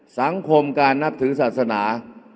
สังคมการนับถือศาสนา